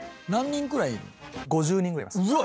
５０人ぐらいいます。